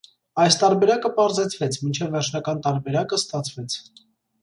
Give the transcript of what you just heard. Այս տարբերակը պարզեցվեց, մինչև վերջնական տարբերակը ստացվեց։